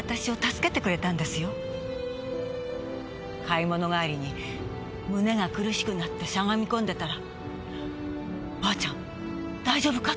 買い物帰りに胸が苦しくなってしゃがみこんでたら「ばあちゃん大丈夫か？」